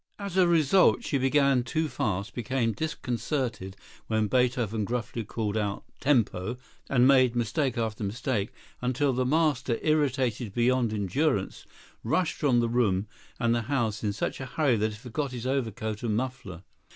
As a result she began too fast, became disconcerted when Beethoven gruffly called out "Tempo!" and made mistake after mistake, until the master, irritated beyond endurance, rushed from the room and the house in such a hurry that he forgot his overcoat and muffler.